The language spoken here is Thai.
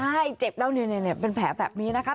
ใช่เจ็บแล้วนี่เป็นแผลแบบนี้นะคะ